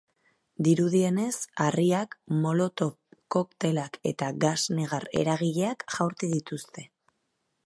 Dirudienez, harriak, molotov koktelak eta gas negar-eragileak jaurti dituzte.